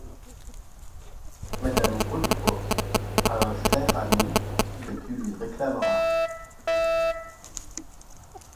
Madame Gaudron a un fer à nous que tu lui réclameras.